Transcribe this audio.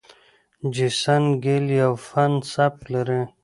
جیسن ګیل یو فن سبک لري.